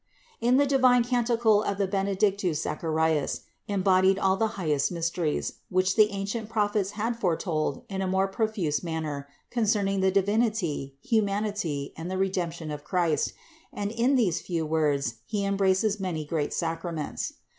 293. In the divine canticle of the Benedictus Zacharias embodied all of the highest mysteries, which the ancient prophets had foretold in a more profuse manner con THE INCARNATION 237 earning the Divinity, Humanity and the Redemption of Christ, and in these few words he embraces many great sacraments.